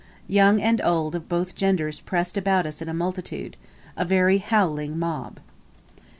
Young and old of both genders pressed about us in a multitude a very howling mob.